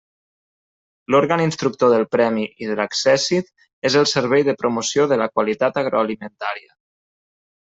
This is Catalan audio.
L'òrgan instructor del premi i de l'accèssit és el Servei de Promoció de la Qualitat Agroalimentària.